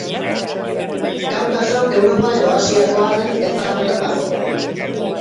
Kaukaso Europa edo Asiakoa den eztabaidan dago.